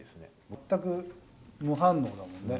全く無反応だもんね。